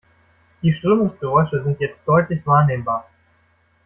Die Strömungsgeräusche sind jetzt deutlich wahrnehmbar.